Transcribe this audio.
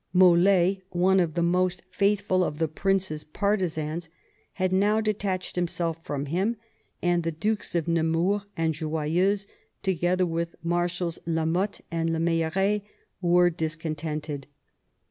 04 MAZARIN ohap. Mol^, one of the most faithful of the prince's partisans, had now detached himself from him, and the Dukes of Nemours and of Joyeuse, together with the Marshals la Mothe and la Meilleraye, were discontented.